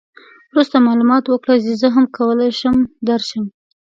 وروسته معلومات وکړه چې زه هم کولای شم درشم.